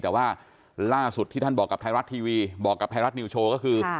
แต่ว่าล่าสุดที่ท่านบอกกับไทยรัฐทีวีบอกกับไทยรัฐนิวโชว์ก็คือ